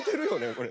これ。